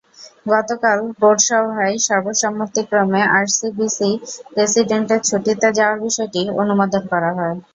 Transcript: গতকাল বোর্ড সভায় সর্বসম্মতিক্রমে আরসিবিসি প্রেসিডেন্টের ছুটিতে যাওয়ার বিষয়টি অনুমোদন করা হয়।